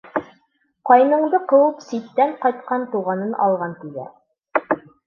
Ҡайныңды ҡыуып ситтән ҡайтҡан туғанын алған, тиҙәр.